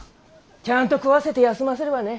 ちゃんと食わせて休ませればね。